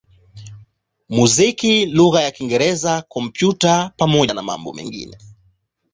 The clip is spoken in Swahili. muziki lugha ya Kiingereza, Kompyuta pamoja na mambo mengine.